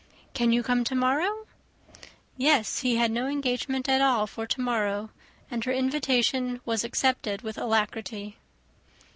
"Can you come to morrow?" Yes, he had no engagement at all for to morrow; and her invitation was accepted with alacrity.